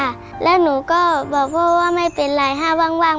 บางทีหนูก็จะพิมพ์ไปหาพ่อว่าทำไมพ่อไม่มาหาพ่อก็จะบอกว่าติดหุ้นละค่ะ